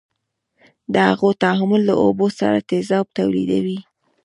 د هغو تعامل له اوبو سره تیزاب تولیدوي.